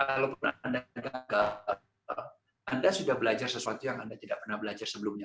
kalaupun anda sudah belajar sesuatu yang anda tidak pernah belajar sebelumnya